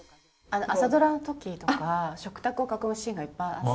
「朝ドラ」の時とか食卓を囲むシーンがいっぱいあって。